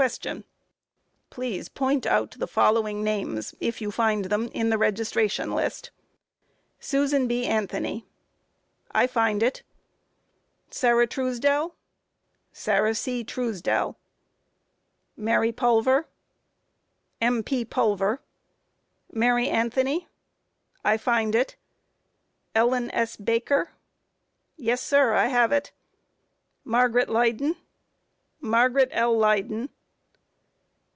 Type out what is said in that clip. Please point out the following names, if you find them in the registration list: Susan B. Anthony? A. I find it. Q. Sarah Truesdell? A. Sarah C. Truesdell. Q. Mary Pulver? A. M.P. Pulver. Q. Mary Anthony? A. I find it. Q. Ellen S. Baker? A. Yes, sir; I have it. Q. Margaret Leyden? A. Margaret L. Leyden.